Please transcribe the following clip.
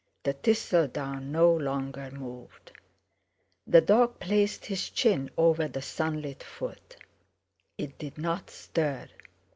The thistledown no longer moved. The dog placed his chin over the sunlit foot. It did not stir.